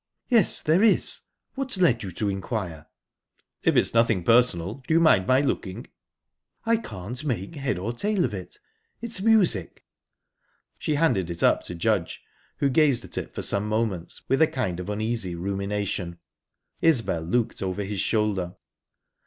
"Yes, there is. What led you to inquire?" "If it's nothing personal, do you mind my looking?" "I can't make head or tail of it. It's music." She handed it up to Judge, who gazed at it for some moments with a kind of uneasy rumination. Isbel looked over his shoulder.